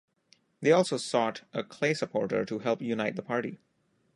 They also sought a Clay supporter to help unite the party.